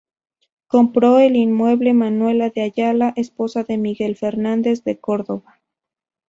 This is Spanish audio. Compró el inmueble Manuela de Ayala, esposa de Miguel Fernández de Córdova.